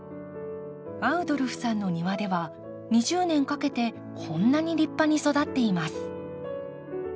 アウドルフさんの庭では２０年かけてこんなに立派に育っています。